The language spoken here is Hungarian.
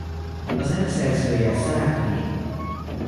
A zeneszerzője Sara Quin.